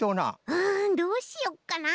うんどうしよっかな。